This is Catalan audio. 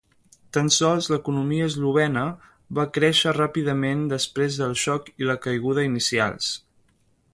Tan sols l'economia eslovena va créixer ràpidament després del xoc i la caiguda inicials.